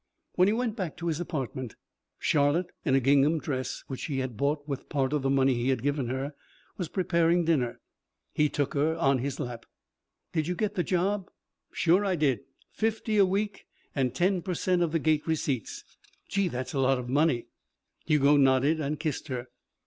When he went back to his apartment, Charlotte, in a gingham dress which she had bought with part of the money he had given her, was preparing dinner. He took her on his lap. "Did you get the job?" "Sure I did. Fifty a week and ten per cent of the gate receipts." "Gee! That's a lot of money!" Hugo nodded and kissed her.